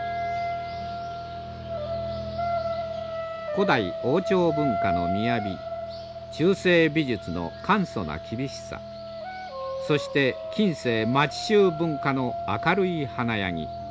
古代王朝文化の雅中世美術の簡素な厳しさそして近世町衆文化の明るい華やぎ。